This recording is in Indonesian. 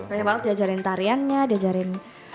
banyak banget diajarin tariannya diajarin